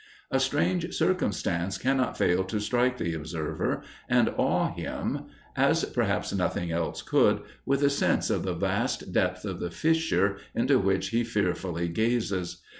A strange circumstance cannot fail to strike the observer, and awe him, as perhaps nothing else could, with a sense of the vast depth of the fissure into which he fearfully gazes.